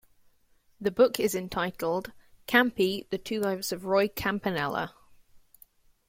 The book is entitled "Campy - The Two Lives of Roy Campanella".